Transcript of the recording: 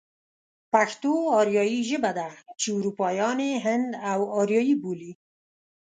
پښتو آريايي ژبه ده چې اروپايان يې هند و آريايي بولي.